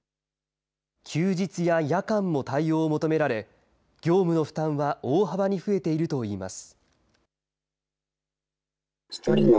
休日や夜間も対応を求められ、業務の負担は大幅に増えているといいます。